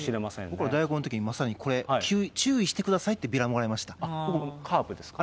僕ら大学のときに、まさにこれ、注意してくださいってビラもＣＡＲＰですか？